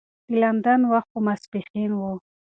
د لندن وخت په ماپښین و.